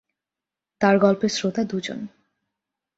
তার গল্পের শ্রোতা দু’জন।